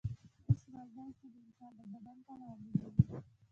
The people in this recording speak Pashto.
اوس راځئ چې د انسان د بدن په اړه وغږیږو